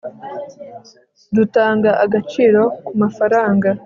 dutanga agaciro kumafaranga